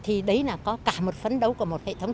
thì đấy là có cả một phấn đấu của một hệ thống